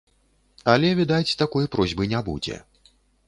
Але, відаць, такой просьбы не будзе.